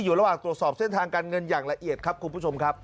อยู่ระหว่างตรวจสอบเส้นทางการเงินอย่างละเอียดครับคุณผู้ชมครับ